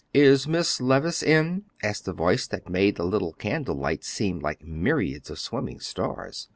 "Is Miss Levice in?" asked the voice that made the little candle light seem like myriads of swimming stars.